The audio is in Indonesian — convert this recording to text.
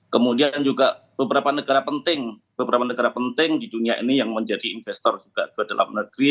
kemudian juga beberapa negara penting beberapa negara penting di dunia ini yang menjadi investor juga ke dalam negeri